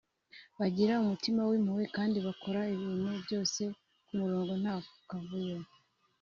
bagira umutima w’impuhwe kandi bakora ibintu byose ku murongo nta kavuyo